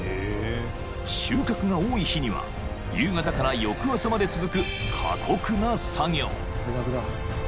［収穫が多い日には夕方から翌朝まで続く過酷な作業］